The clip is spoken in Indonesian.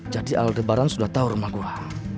jadi aldebaran sudah tahu rumah gue